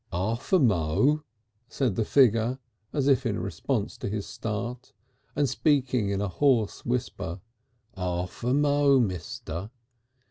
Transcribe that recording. "Arf a mo'," said the figure, as if in response to his start, and speaking in a hoarse whisper. "Arf a mo', mister.